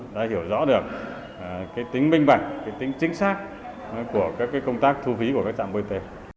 đã hiểu rõ được tính minh bạch tính chính xác của các công tác thu phí của các trạm bot